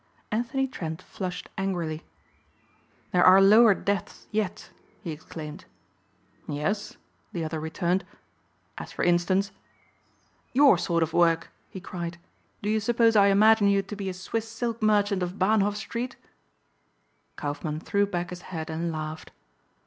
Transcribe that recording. Anthony Trent flushed angrily. "There are lower depths yet," he exclaimed. "Yes?" the other returned, "as for instance?" "Your sort of work!" he cried. "Do you suppose I imagine you to be a Swiss silk merchant of Bahnhof street?" Kaufmann threw back his head and laughed.